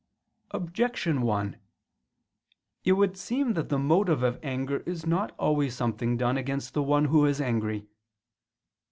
Objection 1: It would seem that the motive of anger is not always something done against the one who is angry.